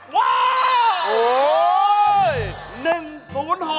ว้าวโอ้ย๑๐๖